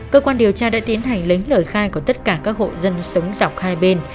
cơ quan điều tra đã tiến hành lấy lời khai của tất cả các hộ dân sống dọc hai bên